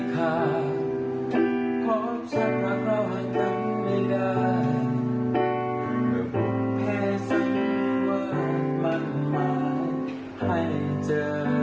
เพื่อบุคเพศสังเวิร์ดมั่นหมายให้เจอ